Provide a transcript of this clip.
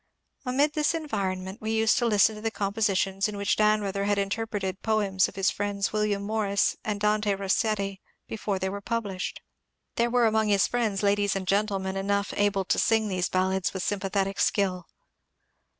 Amid this environment we used to listen to the compositions in which Dannreuther had interpreted poems of his friends William Morris and Dante Rossetti before they were published. There were among his friends ladies and gentlemen enough able to sing these ballads with sympathetic skill.